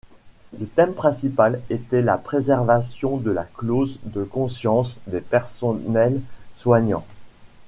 Le thème principal était la préservation de la clause de conscience des personnels soignants.